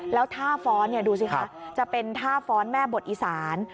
แล้วท่าฟ้อนดูสิคะจะเป็นท่าฟ้อนแม่บทอีสาน